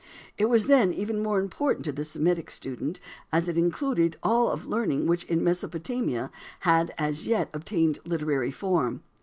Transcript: It was then even more important to the Semitic student as it included all of learning which in Mesopotamia had as yet obtained literary form.